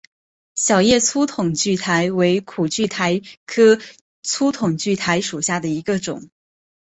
小叶粗筒苣苔为苦苣苔科粗筒苣苔属下的一个种。